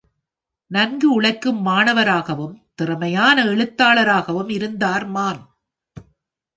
நன்கு உழைக்கும் மாணவராகவும், திறமையான எழுத்தாளராகவும் இருந்தார் மான்.